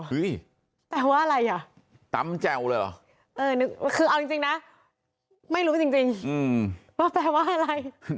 แปลว่าอะไรอ่ะตำแจ่วเลยเหรอเออนึกคือเอาจริงนะไม่รู้จริงว่าแปลว่าอะไร